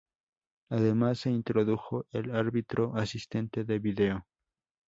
Además, se introdujo el árbitro asistente de vídeo.